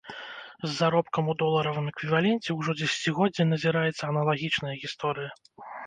З заробкам у доларавым эквіваленце ўжо дзесяцігоддзе назіраецца аналагічная гісторыя.